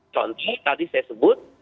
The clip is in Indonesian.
contoh tadi saya sebut